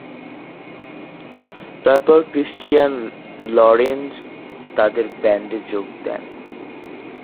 তারপর Christian Lorenz তাদের ব্যান্ডে যোগ দেন।